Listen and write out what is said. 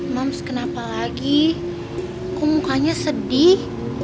mams kenapa lagi kok mukanya sedih